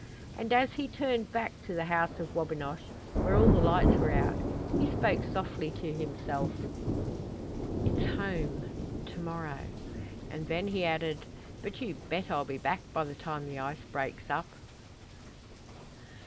And as he turned back to the House of Wabinosh, where all the lights were out, he spoke softly to himself: "It's home to morrow!" And then he added: "But you bet I'll be back by the time the ice breaks up!"